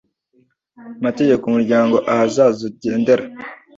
mategeko umuryango ahazaza ugendera